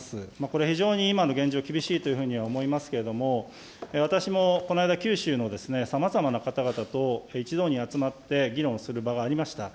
これ、非常に今の現状、厳しいというふうに思いますけれども、私もこの間、九州のさまざまな方々と一堂に集まって議論をする場がありました。